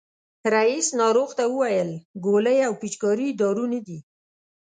رئیس ناروغ ته وویل ګولۍ او پيچکاري دارو نه دي.